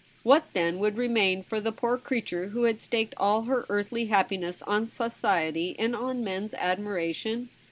What then would remain for the poor crea ture who had staked all her earthly happiness on society and on men's admiration